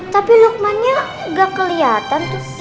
tapi luqman nya gak keliatan tuh sih